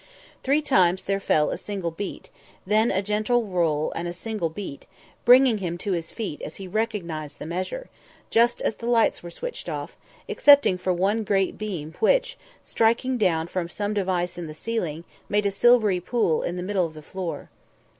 Three times there fell a single beat, then a gentle roll and a single beat, bringing him to his feet as he recognised the measure, just as the lights were switched off, excepting for one great beam which, striking down from some device in the ceiling, made a silvery pool in the middle of the floor.